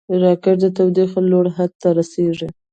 راکټ د تودوخې لوړ حد ته رسېږي